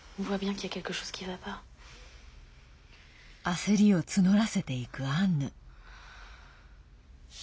焦りを募らせていくアンヌ。